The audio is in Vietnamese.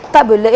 tại buổi lễ